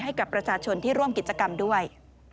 ให้กับประชาชนที่ร่วมกิจกรรมด้วย